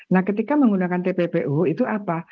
nah ketika menggunakan tppu itu apa